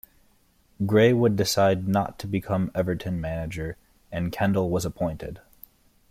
Gray would decide not to become Everton manager and Kendall was appointed.